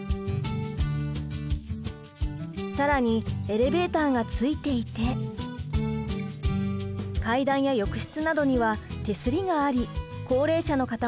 更にエレベーターが付いていて階段や浴室などには手すりがあり高齢者の方も安心です。